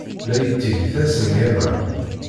La yetteg tasengama.